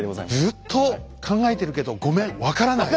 ずっと考えてるけど分かんない？